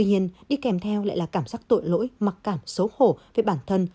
nhưng đi kèm theo lại là cảm giác tội lỗi mặc cảm xấu hổ về bản thân